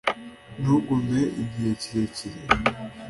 ntugume igihe kirekire